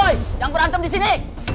woy jangan berantem disini